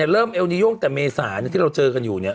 เริ่มเอลนิโย่งแต่เมษาที่เราเจอกันอยู่เนี่ย